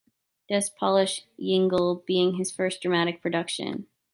"Das Polishe Yingel" being his first dramatic production.